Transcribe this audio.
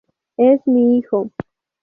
Es mi hijo".